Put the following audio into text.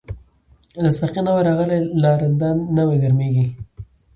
لا ساقی نوی راغلی، لا رندان نوی گرمیږی